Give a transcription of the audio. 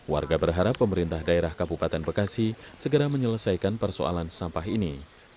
warga berharap pemerintah daerah kabupaten bekasi segera menyelesaikan persoalan sampah ini